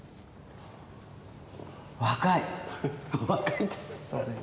若い。